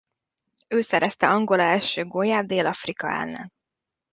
Ő szerezte Angola első gólját Dél-Afrika ellen.